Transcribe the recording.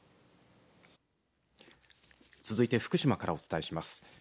続いて福島からお伝えします。